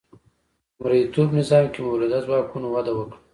په مرئیتوب نظام کې مؤلده ځواکونو وده وکړه.